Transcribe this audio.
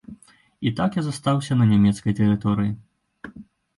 І так я застаўся на нямецкай тэрыторыі.